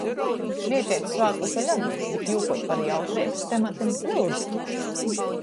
Svieteit svātkus vēļ agri, bet jūkuot par jautreibys tematim - lyudzu!...